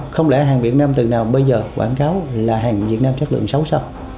không lẽ hàng việt nam từ nào bây giờ quảng cáo là hàng việt nam chất lượng xấu sao